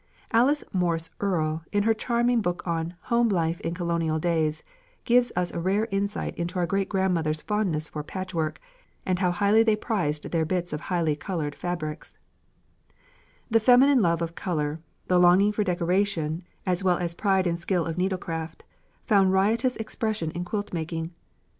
Alice Morse Earle, in her charming book on "Home Life in Colonial Days," gives us a rare insight into our great grandmothers' fondness for patchwork, and how highly they prized their bits of highly coloured fabrics: "The feminine love of colour, the longing for decoration, as well as pride in skill of needlecraft, found riotous expression in quilt making.